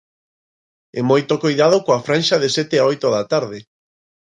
E moito coidado coa franxa de sete a oito da tarde.